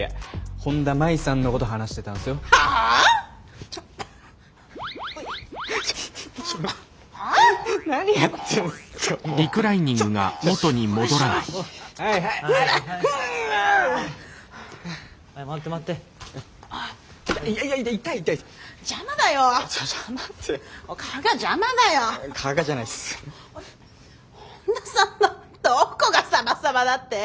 本田さんのどこがサバサバだって？